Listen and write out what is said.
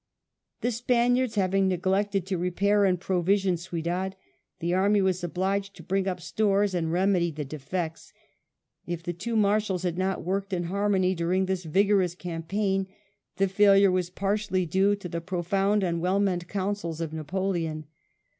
The Spaniards having neglected to repair and provision Ciudad, the amy was obliged to bring up the stores and remedy the defects. If the two Marshals had not worked in harmony during this vigorous campaign, the failure was partially due to the profound and well meant counsels of Napoleon.